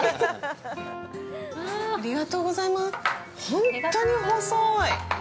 ◆本当に細い。